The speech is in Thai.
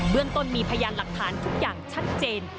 เรื่องต้นมีพยานหลักฐานทุกอย่างชัดเจน